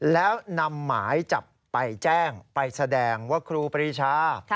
แล้วนำหมายจับไปแจ้งไปแสดงว่าครูปรีชา